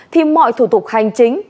thì mọi thủ tục hành chính